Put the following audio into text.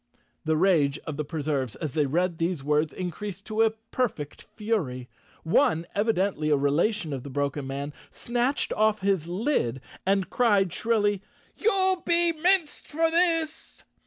The rage of the Preserves, as they read these words, increased to a perfect fury. One, evidently a relation of the broken man, snatched off his lid and cried shrilly, "You'll be minced for this!"